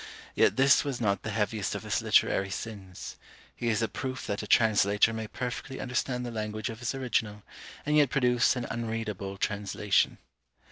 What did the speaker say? Yet this was not the heaviest of his literary sins. He is a proof that a translator may perfectly understand the language of his original, and yet produce an unreadable translation.